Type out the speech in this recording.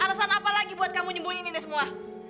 alasan apa lagi buat kamu nyembunyiin ini semua